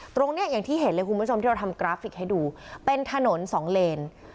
อย่างที่เห็นเลยคุณผู้ชมที่เราทำกราฟิกให้ดูเป็นถนนสองเลน